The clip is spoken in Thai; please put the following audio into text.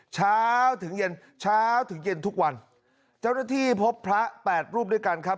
เช้าถึงเย็นเช้าถึงเย็นทุกวันเจ้าหน้าที่พบพระแปดรูปด้วยกันครับ